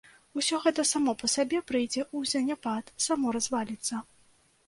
Усё гэта само па сабе прыйдзе ў заняпад, само разваліцца.